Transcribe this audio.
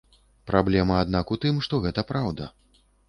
Праблема, аднак, у тым, што гэта праўда.